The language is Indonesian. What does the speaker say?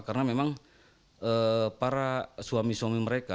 karena memang para suami suami mereka